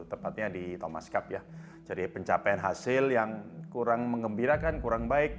tepatnya di thomas cup ya jadi pencapaian hasil yang kurang mengembirakan kurang baik